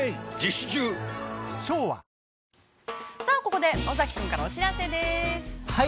ここで尾崎君からお知らせです。